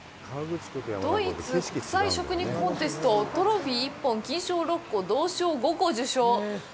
ドイツ国際食肉コンテスト、トロフィー１本、金賞６個、銅賞５個受賞。